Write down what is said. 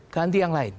ganti yang lain